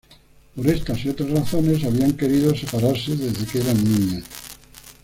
Por estas y otras razones, habían querido separarse desde que eran niñas.